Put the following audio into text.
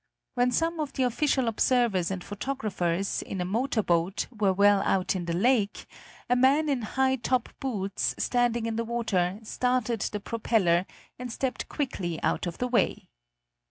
When some of the official observers and photographers, in a motor boat, were well out in the lake, a man in high top boots, standing in the water, started the propeller, and stepped quickly out of the way.